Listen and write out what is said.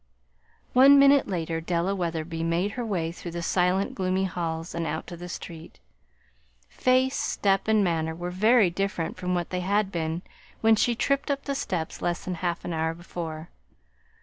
One minute later Della Wetherby made her way through the silent, gloomy halls, and out to the street. Face, step, and manner were very different from what they had been when she tripped up the steps less than half an hour before.